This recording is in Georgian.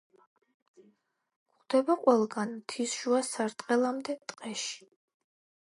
გვხვდება ყველგან მთის შუა სარტყელამდე ტყეში.